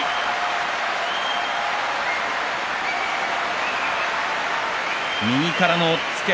拍手右からの押っつけ